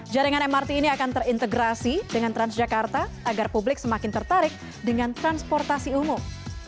jaringan mrt ini akan terintegrasi dengan transjakarta agar publik semakin tertarik dengan transportasi umum